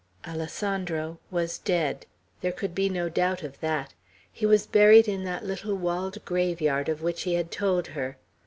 Alessandro was dead; there could be no doubt of that. He was buried in that little walled graveyard of which he had told her.